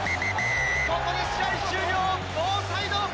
ここで試合終了、ノーサイド。